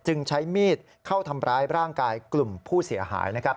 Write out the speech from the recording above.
ใช้มีดเข้าทำร้ายร่างกายกลุ่มผู้เสียหาย